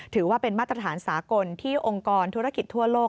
ถือว่าเป็นมาตรฐานสากลที่องค์กรธุรกิจทั่วโลก